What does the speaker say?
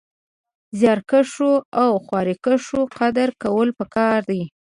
د زيارکښو او خواريکښو قدر کول پکار دی